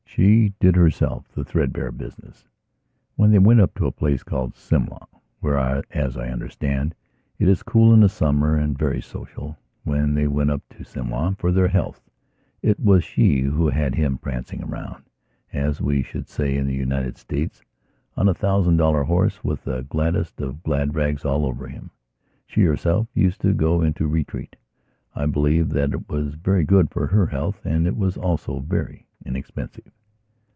She did, herself, the threadbare business. When they went up to a place called Simla, where, as I understand, it is cool in the summer and very socialwhen they went up to Simla for their healths it was she who had him prancing around, as we should say in the United States, on a thousand dollar horse with the gladdest of glad rags all over him. She herself used to go into "retreat". I believe that was very good for her health and it was also very inexpensive.